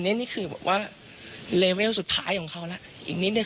คุณผู้ชมฟังเสียงคุณธนทัศน์เล่ากันหน่อยนะคะ